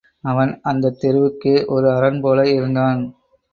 அவன் அந்தத் தெருவுக்கே ஒரு அரண் போல இருந்தான்.